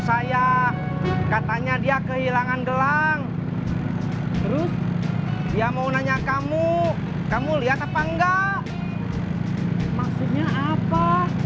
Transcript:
saya katanya dia kehilangan gelang terus dia mau nanya kamu kamu lihat apa enggak maksudnya apa